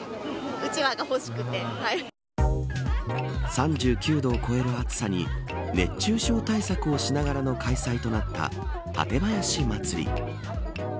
３９度を超える暑さに熱中症対策をしながらの開催となった館林まつり。